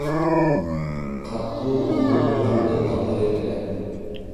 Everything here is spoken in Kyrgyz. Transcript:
Катуу умтулууңарды уланта бергиле!